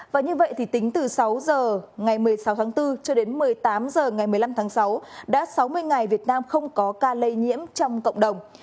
và như vậy thì tính từ sáu h ngày một mươi sáu tháng bốn cho đến một mươi tám h ngày một mươi năm tháng sáu đã sáu mươi ngày việt nam không có ca lây nhiễm trong cộng đồng